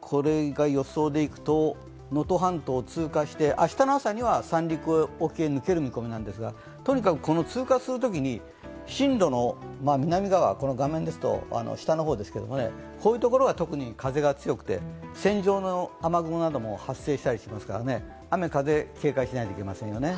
これが予想でいくと能登半島を通過して明日の朝には三陸沖へ抜ける見込みなんですが、とにかく通過するときに進路の南側、画面ですと下の方ですけど、こういうところが特に風が強くて線状の雨雲なども発生しますから雨・風に警戒しないといけないですよね。